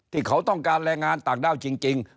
ที่เขาต้องการแรงงานต่างด้าวจริง